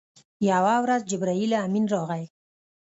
یوه ورځ جبرائیل امین راغی.